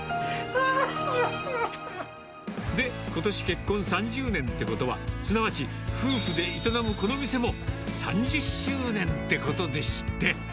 で、ことし結婚３０年っていうことは、すなわち夫婦で営むこの店も、３０周年ってことでして。